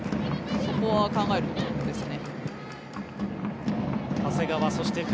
そこは考えるところですね。